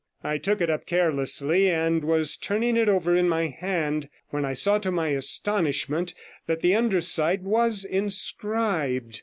I took it up carelessly, and was turning it over in my hand, when I saw, to my astonishment, that the under side was inscribed.